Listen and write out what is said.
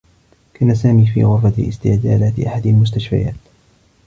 كان سامي في غرفة استعجالات أحد المستشفيات.